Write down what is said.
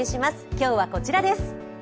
今日はこちらです。